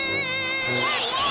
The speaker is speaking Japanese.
イエイイエイ！